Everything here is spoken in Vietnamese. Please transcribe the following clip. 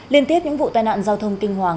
liên tiếp những vụ tai nạn giao thông kinh hoàng